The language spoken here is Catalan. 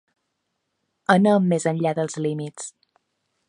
Anem més enllà dels límits.